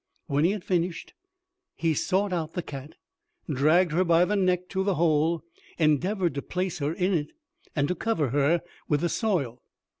When he had finished it he sought out the cat, dragged her by the neck to the hole, endeavoured to place her in it, and to cover her with the soil.